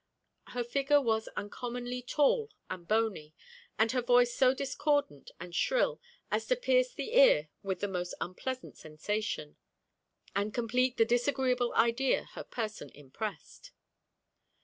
Her figure was uncommonly tall and boney; and her voice so discordant and shrill, as to pierce the ear with the most unpleasant sensation, and compleat the disagreeable idea her person impressed.